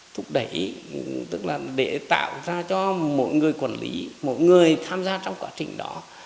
thúc đẩy tức là để tạo ra cho mỗi người quản lý mỗi người tham gia trong quá trình đó